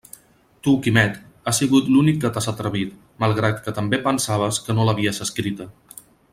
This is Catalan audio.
Tu, Quimet, has sigut l'únic que t'has atrevit, malgrat que també pensaves «que no l'havies escrita».